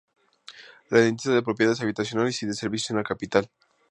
Rentista de propiedades habitacionales y de servicios en la capital.